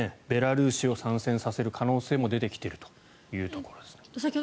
ベラルーシを参戦させる可能性も出てきているというところです。